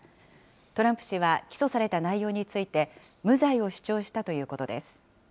トランプ氏は起訴された内容について、無罪を主張したということ